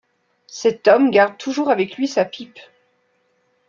Cet homme garde toujours avec lui sa pipe.